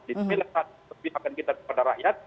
disinilah saat kita berpihak kepada rakyat